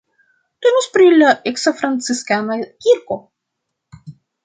Temas pri la eksa franciskana kirko.